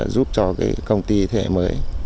giúp cho cái công ty thế hệ mới